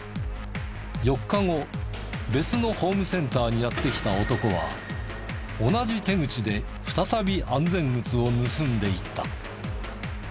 ４日後別のホームセンターにやって来た男は同じ手口で再び安全靴を盗んでいった。